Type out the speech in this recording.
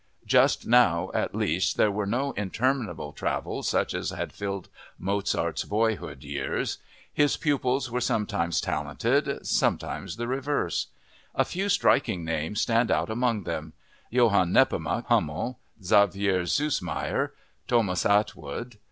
Just now, at least, there were no interminable travels such as had filled Mozart's boyhood years. His pupils were sometimes talented, sometimes the reverse. A few striking names stand out among them—Johann Nepomuck Hummel, Xaver Süssmayr, Thomas Attwood.